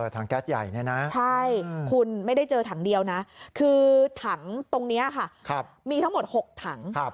ถังแก๊สใหญ่เนี่ยนะใช่คุณไม่ได้เจอถังเดียวนะคือถังตรงนี้ค่ะมีทั้งหมด๖ถัง